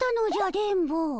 電ボ。